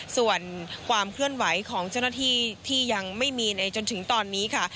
ส่วนความเคลื่อนไหวของเจ้าหน้าที่ที่ยังไม่มีในจนถึงตอนนี้ค่ะ